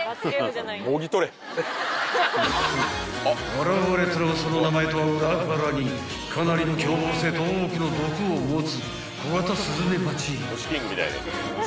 ［現れたのはその名前とは裏腹にかなりの凶暴性と多くの毒を持つコガタスズメバチ］